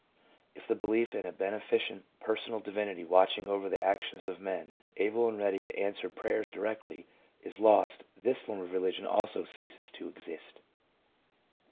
If the belief in a bene ficent personal divinity watching over the actions of men, able and ready to answer prayers directly, is lost, this form of religion also ceases to exist.